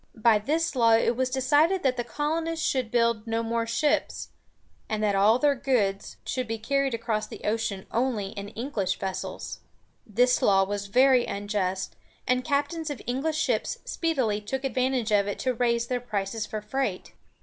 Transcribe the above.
By this law it was decided that the colonists should build no more ships, and that all their goods should be carried across the ocean only in English vessels. This law was very unjust, and captains of English ships speedily took advantage of it to raise their prices for freight.